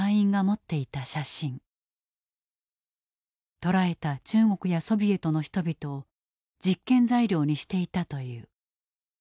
捕らえた中国やソビエトの人々を実験材料にしていたという。